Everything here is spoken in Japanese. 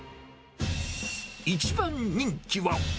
一番人気は。